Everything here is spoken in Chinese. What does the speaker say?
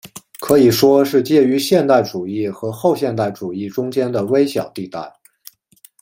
可以说是介于现代主义和后现代主义中间的微小地带。